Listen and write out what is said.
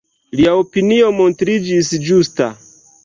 Lia opinio montriĝis ĝusta.